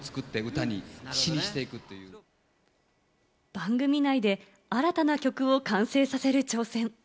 番組内で新たな曲を完成させる挑戦。